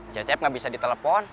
cecep nggak bisa ditelepon